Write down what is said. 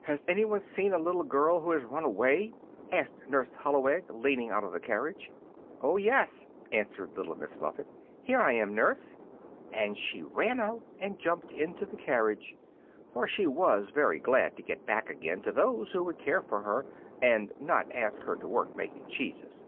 "Has anyone seen a little girl who has run away?" asked Nurse Holloweg, leaning out of the carriage. "Oh, yes," answered Little Miss Muffet; "here I am, Nurse." And she ran out and jumped into the carriage, for she was very glad to get back again to those who would care for her and not ask her to work making cheeses.